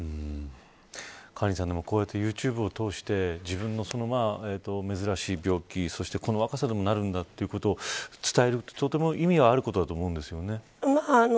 カリンさん、こうやってユーチューブを通して自分の珍しい病気そしてこの若さでもなるんだということを伝えるとても意味があることだと思うんですよね。